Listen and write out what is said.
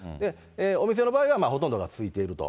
お店の場合はほとんどがついていると。